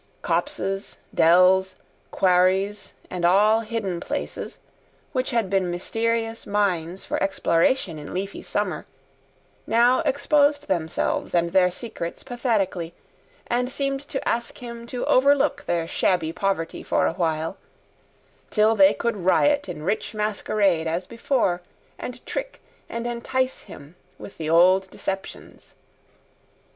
Copses, dells, quarries and all hidden places, which had been mysterious mines for exploration in leafy summer, now exposed themselves and their secrets pathetically, and seemed to ask him to overlook their shabby poverty for a while, till they could riot in rich masquerade as before, and trick and entice him with the old deceptions.